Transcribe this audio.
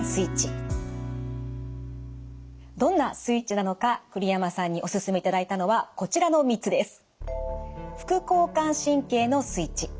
どんなスイッチなのか栗山さんにおすすめいただいたのはこちらの３つです。